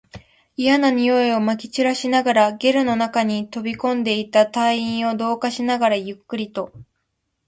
嫌な臭いを撒き散らしながら、ゲルの中に飛び込んでいった隊員を同化しながら、ゆっくりと